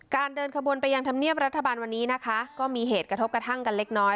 การเดินขบวนไปยังทำเนี้ยบอรรถบันวันนี้ก็มีเหตุกระทบกระทั่งกันเล็กน้อย